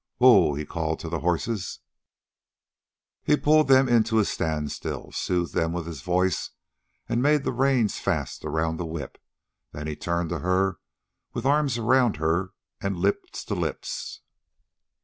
"Whoa!" he called to the horses. He pulled them in to a standstill, soothed them with his voice, and made the reins fast around the whip. Then he turned to her with arms around her and lips to lips.